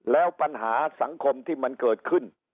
แล้วปัญหาสังคมที่มันเกิดขึ้น